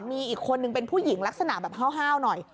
มีอีกคนนึงเป็นผู้หญิงลักษณะแบบห้าวหน่อย